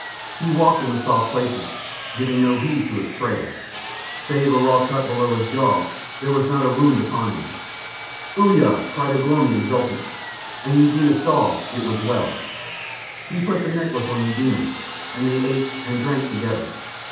He walked in the soft places, giving no heed to his trail. Save a raw cut below his jaw there was not a wound upon him. "Uya!" cried Ugh lomi exultant, and Eudena saw it was well. He put the necklace on Eudena, and they ate and drank together.